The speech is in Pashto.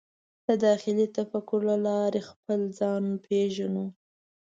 د داخلي تفکر له لارې خپل ځان پېژنو.